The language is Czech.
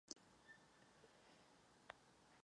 V tuto chvíli útočník ještě nemá čtvrtý byte klíče.